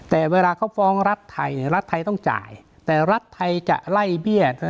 แต่เวลาเขาฟ้องรัฐไทยรัฐไทยต้องจ่ายแต่รัฐไทยจะไล่เบี้ย